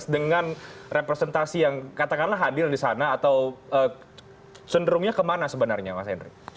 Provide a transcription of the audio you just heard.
dengan representasi yang katakanlah hadir di sana atau cenderungnya kemana sebenarnya mas henry